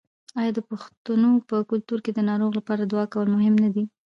آیا د پښتنو په کلتور کې د ناروغ لپاره دعا کول مهم نه دي؟